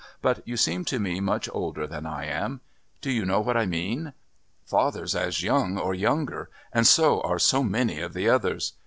But you seem to me much older than I am. Do you know what I mean? Father's as young or younger and so are so many of the others.